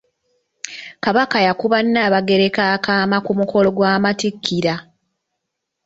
Kabaka yakuba Nabagereka akaama ku mukolo gw'amattikira.